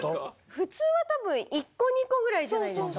普通は多分１個２個ぐらいじゃないですか。